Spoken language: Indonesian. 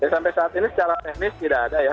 sampai saat ini secara teknis tidak ada ya